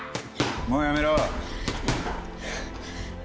もうやめろ。